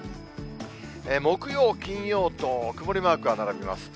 木曜、金曜と、曇りマークが並びます。